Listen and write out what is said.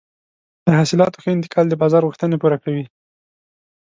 د حاصلاتو ښه انتقال د بازار غوښتنې پوره کوي.